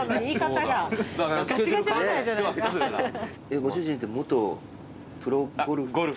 ご主人って元プロゴルフ。